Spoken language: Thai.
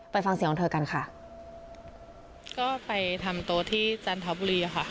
ฟังเสียงของเธอกันค่ะก็ไปทำโต๊ะที่จันทบุรีค่ะ